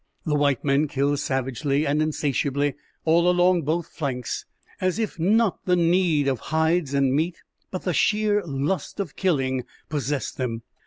The white men killed savagely and insatiably all along both flanks, as if not the need of hides and meat, but the sheer lust of killing possessed them.